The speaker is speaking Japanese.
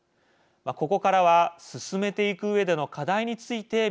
ここからは進めていくうえでの課題について見ていきます。